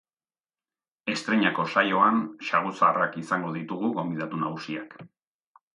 Estreinako saioan saguzarrak izango ditugu gonbidatu nagusiak.